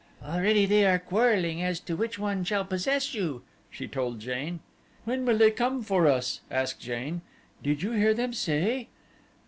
"Already they are quarreling as to which one shall possess you," she told Jane. "When will they come for us?" asked Jane. "Did you hear them say?"